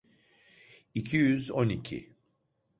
İki yüz on iki.